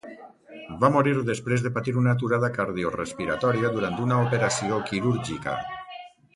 Va morir després de patir una aturada cardiorespiratòria durant una operació quirúrgica.